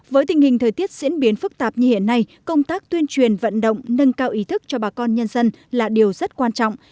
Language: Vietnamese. với tình hình thời tiết diễn biến phức tạp như hiện nay công tác tuyên truyền vận động nâng cao ý thức cho bà con nhân dân là điều rất quan trọng